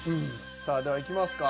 さあではいきますか。